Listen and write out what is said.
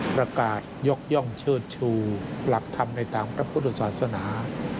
ประกาศยกย่องเชิดชูหลักธรรมในตามพระพุทธศาสนา